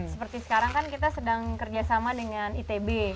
seperti sekarang kan kita sedang kerjasama dengan itb